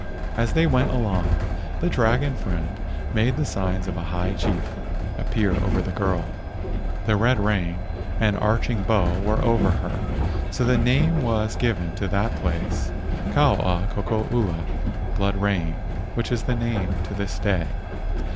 As they went along, the dragon friend made the signs of a high chief appear over the girl. The red rain and arching bow were over her, so the name was given to that place, Ka ua koko ula (blood rain), which is the name to this day.